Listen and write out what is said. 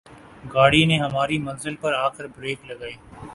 گاڑی نے ہماری منزل پر آ کر بریک لگائی